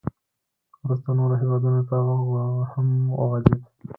• وروسته نورو هېوادونو ته هم وغځېد.